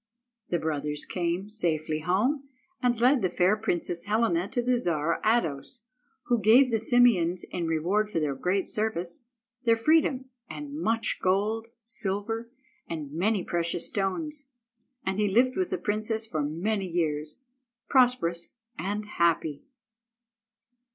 The brothers came safely home, and led the fair Princess Helena to the Czar Ados, who gave the Simeons, in reward for their great service, their freedom and much gold, silver, and many precious stones. And he lived with the princess for many years, prosperous and happy.